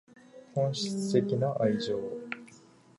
本質的な愛情